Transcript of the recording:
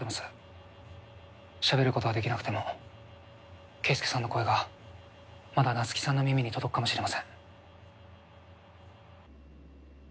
しゃべることはできなくても圭介さんの声がまだ夏希さんの耳に届くかもしれません。